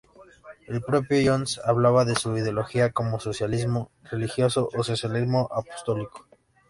El propio Jones hablaba de su ideología como socialismo religioso o socialismo apostólico.